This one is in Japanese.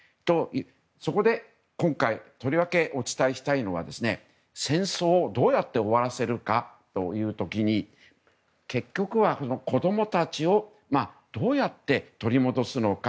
そこで今回とりわけお伝えしたいのが戦争をどうやって終わらせるかという時に結局は子供たちをどうやって取り戻すのか。